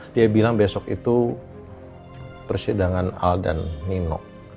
dia bilang besok itu persidangan al dan nino